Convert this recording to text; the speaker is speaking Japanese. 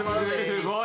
すごい。